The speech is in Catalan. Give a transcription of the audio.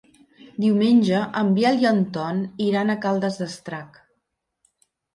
Diumenge en Biel i en Ton iran a Caldes d'Estrac.